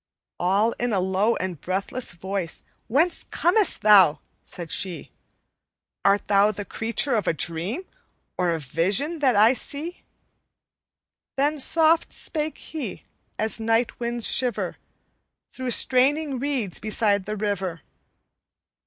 "All in a low and breathless voice, 'Whence comest thou?' said she; 'Art thou the creature of a dream, Or a vision that I see?' Then soft spake he, as night winds shiver Through straining reeds beside the river.